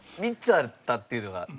３つあったっていうのが。